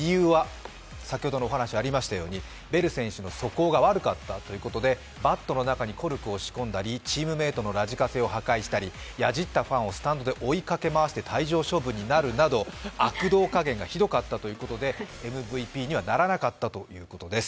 理由はベル選手の素行が悪かったということで、バットの中にコルクを仕込んだりチームメイトのラジカセを破壊したりやじったファンをスタンドで追いかけ回して退場処分になるなど悪童加減がひどかったということでМＶＰにはならなかったということです。